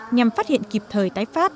nhằm phát hiện kịp thời tái phát